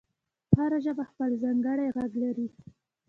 هره ژبه خپل ځانګړی غږ لري.